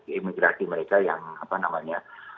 imigrasi mereka yang apa namanya